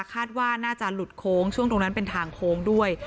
คาดว่าน่าจะหลุดโค้งช่วงตรงนั้นเป็นทางโค้งด้วย